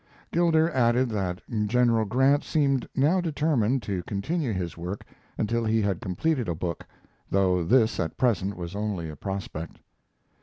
] Gilder added that General Grant seemed now determined to continue his work until he had completed a book, though this at present was only a prospect.